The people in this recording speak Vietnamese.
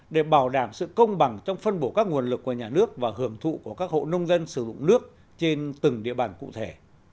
để bảo đảm sự công bằng trong phân bổ các nguồn lực của nhà nước và hưởng thụ của các hộ nông dân sử dụng nước trên từng địa bàn cụ thể